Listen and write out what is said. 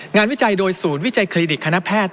วิจัยโดยศูนย์วิจัยเครดิตคณะแพทย์